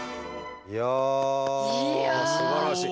いやすばらしい。